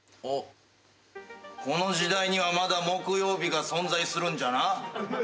あっこの時代にはまだ木曜日が存在するんじゃな。